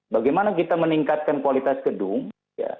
bagaimana kita meningkatkan kualitas gedung ya